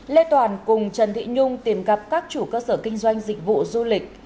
lê toàn cùng trần thị nhung tìm gặp các chủ cơ sở kinh doanh dịch vụ du lịch